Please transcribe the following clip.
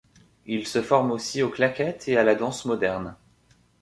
Il se forme aussi aux claquettes et à la danse moderne.